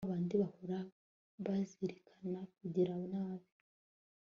ba bandi bahora bazirikana kugira nabi